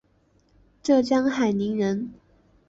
浙江海宁人。